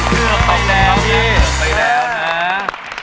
เชื่อมไปแล้วนะ